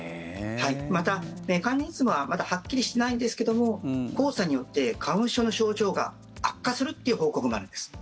また、メカニズムはまだはっきりしないんですけども黄砂によって花粉症の症状が悪化するという報告もあるんです。